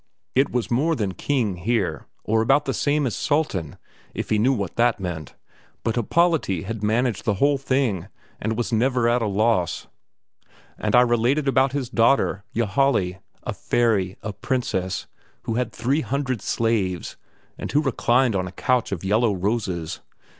It was more than king here, or about the same as Sultan, if he knew what that meant, but Happolati had managed the whole thing, and was never at a loss. And I related about his daughter Ylajali, a fairy, a princess, who had three hundred slaves, and who reclined on a couch of yellow roses.